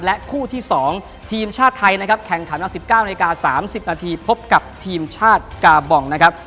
คู่ที่๒ทีมชาติไทยนะครับแข่งขันวัน๑๙นาที๓๐นาทีพบกับทีมชาติกาบองนะครับ